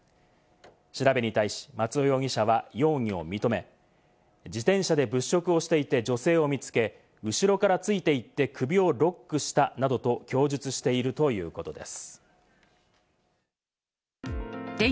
調べに対し、松尾容疑者は容疑を認め、自転車で物色をしていて女性を見つけ、後ろからついていって首をロックしたなどと供述しているということです。